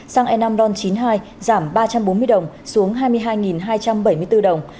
xăng e năm ron chín mươi hai giảm ba trăm bốn mươi đồng xuống hai mươi hai hai trăm bảy mươi bốn đồng